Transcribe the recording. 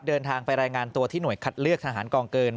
เดินทางไปรายงานตัวที่หน่วยคัดเลือกทหารกองเกิน